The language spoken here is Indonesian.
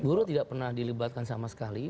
buruh tidak pernah dilibatkan sama sekali